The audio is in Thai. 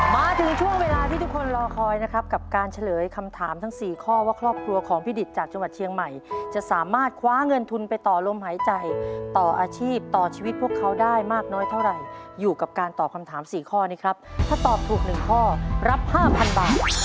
มาถึงช่วงเวลาที่ทุกคนรอคอยนะครับกับการเฉลยคำถามทั้ง๔ข้อว่าครอบครัวของพี่ดิตจากจังหวัดเชียงใหม่จะสามารถคว้าเงินทุนไปต่อลมหายใจต่ออาชีพต่อชีวิตพวกเขาได้มากน้อยเท่าไหร่อยู่กับการตอบคำถาม๔ข้อนี้ครับถ้าตอบถูกหนึ่งข้อรับ๕๐๐บาท